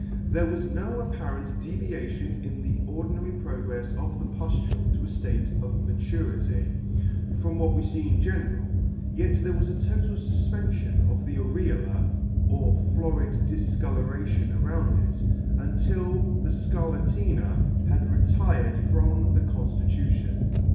There was no apparent deviation in the ordinary progrefs of the puffule to a ffate of maturity, from what we fee in general ; yet there was a total fufpenfion of the Areola , or florid difcolouration around it, until the Scarlatina had retired from the con ffitution.